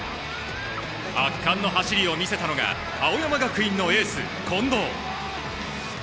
圧巻の走りを見せたのが青山学院のエース近藤。